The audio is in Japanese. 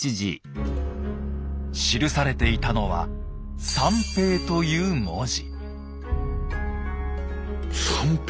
記されていたのは「散兵」という文字。